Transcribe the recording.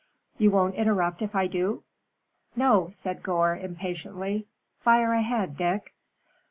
"You won't interrupt if I do?" "No," said Gore, impatiently, "fire ahead, Dick."